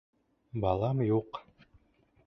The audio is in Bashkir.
Балам юҡ!..